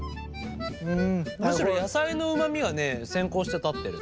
むしろ野菜のうまみがね先行して立ってる。